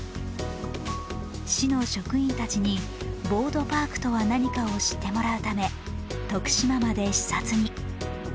市の職員たちにボードパークとは何かを知ってもらうため徳島まで視察に。